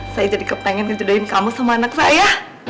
saya jadi kepengen kejodohin kamu sama anak saya